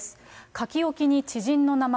書き置きに知人の名前。